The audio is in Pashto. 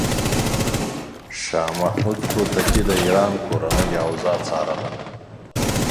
شاه محمود هوتکی د ایران کورنۍ اوضاع څارله.